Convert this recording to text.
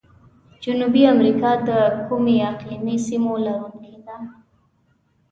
جنوبي امریکا د کومو اقلیمي سیمو لرونکي ده؟